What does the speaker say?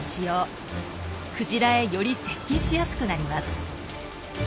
クジラへより接近しやすくなります。